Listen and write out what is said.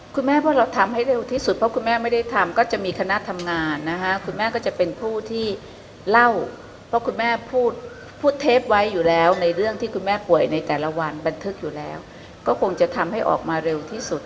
คุณแม่ว่าเราทำให้เร็วที่สุดเพราะคุณแม่ไม่ได้ทำก็จะมีคณะทำงานนะคะคุณแม่ก็จะเป็นผู้ที่เล่าเพราะคุณแม่พูดเทปไว้อยู่แล้วในเรื่องที่คุณแม่ป่วยในแต่ละวันบันทึกอยู่แล้วก็คงจะทำให้ออกมาเร็วที่สุด